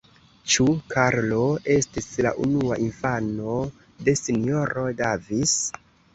Ĉu Karlo estis la unua infano de S-ro Davis?